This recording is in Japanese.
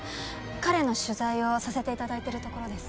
彼の取材をさせて頂いてるところです。